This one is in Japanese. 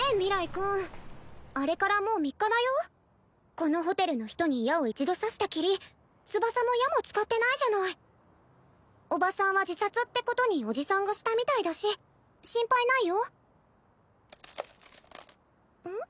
このホテルの人に矢を一度刺したきり翼も矢も使ってないじゃない叔母さんは自殺ってことに叔父さんがしたみたいだし心配ないようん？